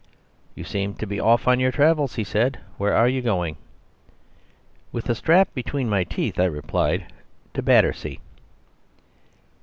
"You seem to be off on your travels," he said. "Where are you going?" With a strap between my teeth I replied, "To Battersea."